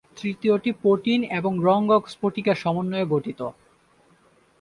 তৃতীয়টি প্রোটিন এবং রঙ্গক স্ফটিকের সমন্বয়ে গঠিত।